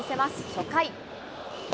初回。